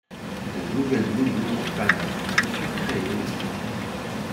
De nouvelles moulures en palmettes y furent créées.